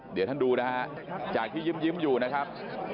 เดี๋ยวท่านดูนะฮะจากที่ยิ้มอยู่นะครับ